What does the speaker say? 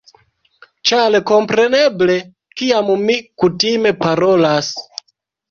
Ĉar kompreneble kiam mi kutime parolas